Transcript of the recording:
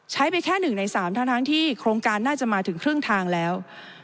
ไปแค่๑ใน๓ทั้งที่โครงการน่าจะมาถึงครึ่งทางแล้ว